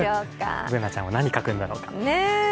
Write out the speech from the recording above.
Ｂｏｏｎａちゃんは何、書くんだろう。